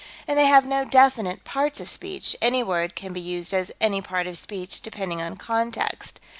And they have no definite parts of speech; any word can be used as any part of speech, depending on context.